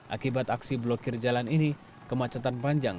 akibat aksi blokir jalan ini kemacetan panjang